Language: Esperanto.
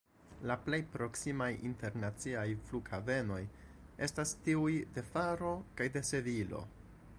La plej proksimaj internaciaj flughavenoj estas tiuj de Faro kaj de Sevilo.